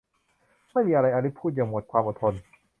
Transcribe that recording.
ไม่มีอะไร อลิซพูดอย่างหมดความอดทน